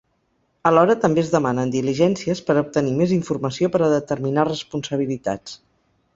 Alhora també es demanen diligències per a obtenir més informació per a determinar responsabilitats.